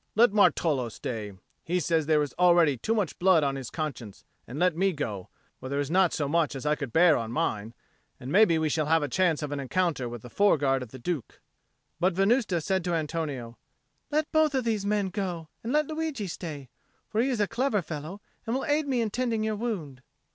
Let Martolo stay; he says there is already too much blood on his conscience; and let me go, for there is not so much as I could bear on mine, and maybe we shall have a chance of an encounter with the foreguard of the Duke." But Venusta said to Antonio, "Let both of these men go, and let Luigi stay. For he is a clever fellow, and will aid me in tending your wound."